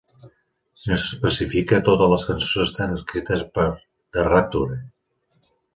Si no s'especifica, totes les cançons estan escrites per The Rapture.